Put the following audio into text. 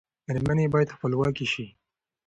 میرمنې باید خپلواکې شي.